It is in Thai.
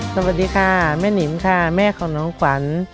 สวัสดีค่ะแม่นิมค่ะแม่ของน้องขวัญ